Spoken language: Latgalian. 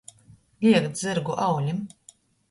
Lēkt zyrgu aulim.